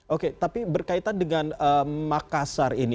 oke tapi berkaitan dengan makassar ini